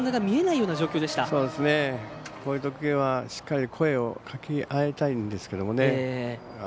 こういうときはしっかり声をかけ合いたいんですけどね。